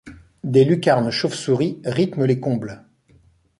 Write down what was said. Des lucarnes chauve-souris rythment les combles.